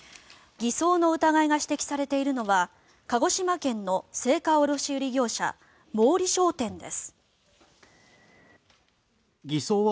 偽装の疑いが指摘されているのは鹿児島県の青果卸売業者毛利商店です。